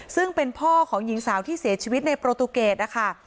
ซึ่งเป็นพ่อของหญิงสาวที่เสียชีวิตในโปรตูเกตนะคะ